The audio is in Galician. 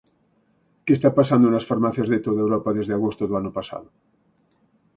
¿Que está pasando nas farmacias de toda Europa desde agosto do ano pasado?